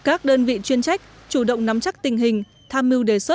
các đơn vị chuyên trách chú động nắm chắc tình hình that dr culturally control all of them